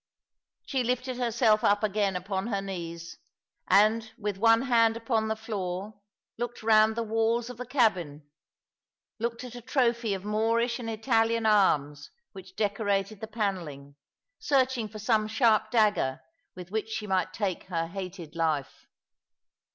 She lifted herself up again upon her knees, and, with one hand upon the floor, looked round the walls of the cabin — looked at a trophy of Moorish and Italian arms which decorated the panelling, searching for some sharp dagger with which she might take her hated life.